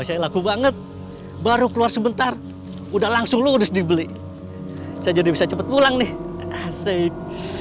saya laku banget baru keluar sebentar udah langsung lulus dibeli saja bisa cepet pulang nih asyik